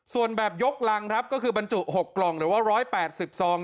ส่วนแบบยกรังครับก็คือบรรจุ๖กล่องหรือว่า๑๘๐ซอง